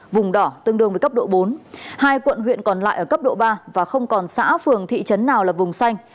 vùng đỏ tương đương với cấp độ bốn hai quận huyện còn lại ở cấp độ ba và không còn xã phường thị trấn nào là vùng xanh